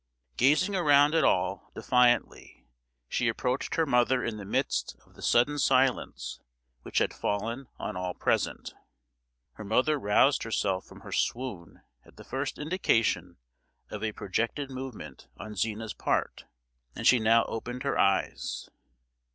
Gazing around at all, defiantly, she approached her mother in the midst of the sudden silence which had fallen on all present. Her mother roused herself from her swoon at the first indication of a projected movement on Zina's part, and she now opened her eyes.